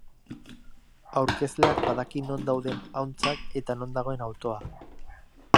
Aurkezleak badaki non dauden ahuntzak eta non dagoen autoa.